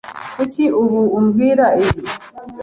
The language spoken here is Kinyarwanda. Kuki ubu umbwira ibi?